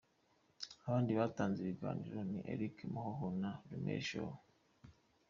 Abandi batanze ibiganiro ni Alec Muhoho na Lamelle Shaw.